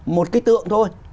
một cái tượng thôi